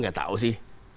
tidak tahu sih